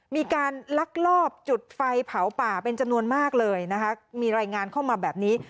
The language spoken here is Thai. มีการลักลอบจุดไฟเผาป่าเป็นจำนวนมากเลยนะคะมีรายงานเข้ามาแบบนี้